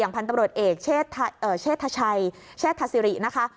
อย่างพันธบริโรธเอกเชษฐชัยเชษฐศิรินะคะ